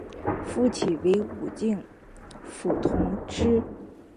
复起为武定府同知。